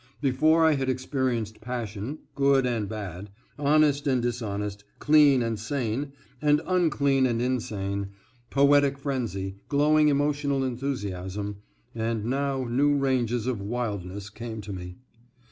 Before I had experienced passion, good and bad, honest and dishonest, clean and sane, and unclean and insane, poetic frenzy, glowing emotional enthusiasm, and now new ranges of wildness came to me.